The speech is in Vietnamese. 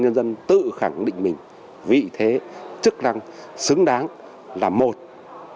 nữ công an nhân dân tự khẳng định mình vị thế chức năng xứng đáng là một trong hai cánh tay bảo vệ đảng